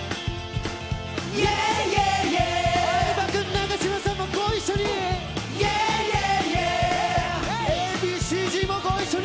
相葉君、永島さんもご一緒に！